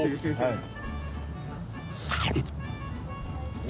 はい。